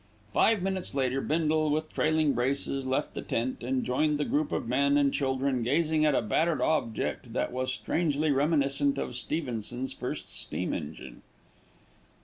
Five minutes later Bindle, with trailing braces, left the tent and joined the group of men and children gazing at a battered object that was strangely reminiscent of Stevenson's first steam engine.